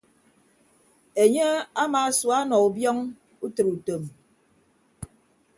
Enye amaasua ọnọ ubiọñ utịre utom.